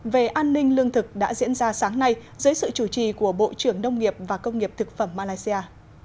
về an ninh lương thực đã diễn ra sáng nay dưới sự chủ trì của bộ trưởng nông nghiệp và công nghiệp thực phẩm malaysia